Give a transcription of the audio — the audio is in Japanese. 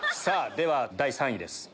では第３位です！